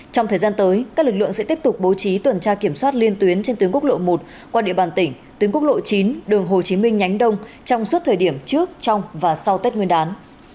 trong thời gian tới các lực lượng sẽ tiếp tục bố trí tuần tra kiểm soát liên tuyến trên tuyến quốc lộ một qua địa bàn tỉnh tuyến quốc lộ chín đường hồ chí minh nhánh đông trong suốt thời điểm trước trong và sau tết nguyên đán